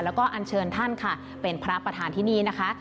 แล้วก็อันเชิญท่านค่ะเป็นพระประธานที่นี่นะคะ